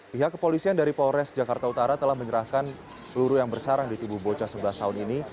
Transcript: pihak kepolisian dari polres jakarta utara telah menyerahkan peluru yang bersarang di tubuh bocah sebelas tahun ini